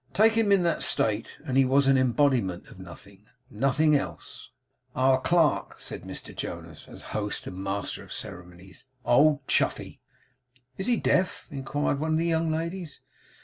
Take him in that state, and he was an embodiment of nothing. Nothing else. 'Our clerk,' said Mr Jonas, as host and master of the ceremonies: 'Old Chuffey.' 'Is he deaf?' inquired one of the young ladies.